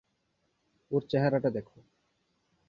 ওর চেহারাটা দেখো।